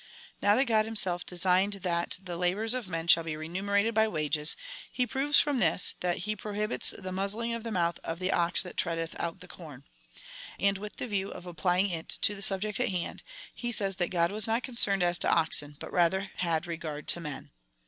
Now, that God himself designed that the labours of men should be remunerated by wages, he proves from this, that he prohibits the muzzling of the mouth of the ox that treadeth out the corn ; and with the view of apply ing it to the subject in hand, he says, that God was not con cerned as to oxen, but rather had regard to men.